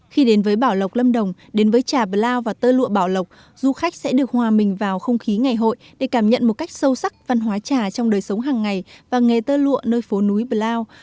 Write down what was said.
khi đến với bảo lộc lâm đồng đến với trà bờ lao và tơ lụa bảo lộc du khách sẽ được hòa mình vào không khí ngày hội để cảm nhận một cách sâu sắc văn hóa trà trong đời sống hàng ngày và nghề tơ lụa nơi phố núi bờ lao